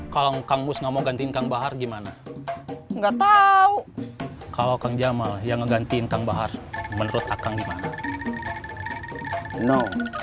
kalau kang mus gak mau gantiin kang bahar gimana